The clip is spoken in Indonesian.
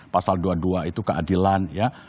pasal dua puluh dua itu keadilan ya